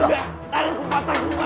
sampai jumpa raka